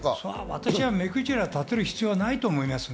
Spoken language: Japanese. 私は目くじら立てる必要はないと思います。